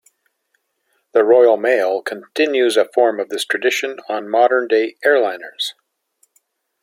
The Royal Mail continues a form of this tradition on modern day airliners.